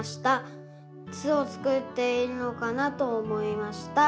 巣をつくっているのかな？と思いました」。